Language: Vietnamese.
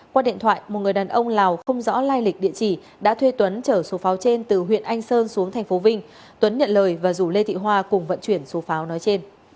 qua điện thoại một người đàn ông lào không rõ lai lịch địa chỉ đã thuê tuấn chở số pháo trên từ huyện anh sơn xuống thành phố vinh